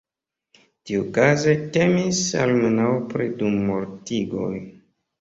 Tiukaze temis almenaŭ pri du mortigoj.